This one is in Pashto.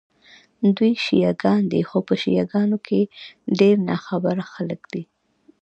دوی شیعه ګان دي، خو په شیعه ګانو کې ډېر ناخبره خلک دي.